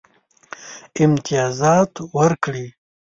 امتیازات ورکړي.